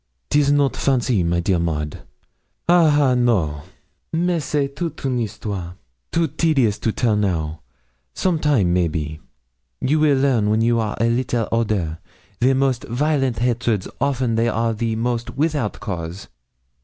''Tis not fancy, my dear Maud. Ah ha, no! Mais c'est toute une histoire too tedious to tell now some time maybe and you will learn when you are little older, the most violent hatreds often they are the most without cause.